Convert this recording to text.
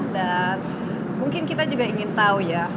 dan mungkin kita juga ingin tahu ya